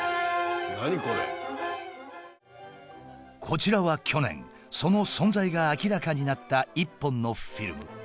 こちらは去年その存在が明らかになった一本のフィルム。